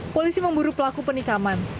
polisi memburu pelaku penikaman